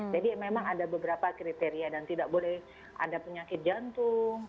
jadi memang ada beberapa kriteria dan tidak boleh ada penyakit jantung